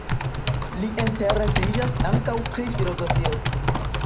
Li interesiĝas ankaŭ pri filozofio.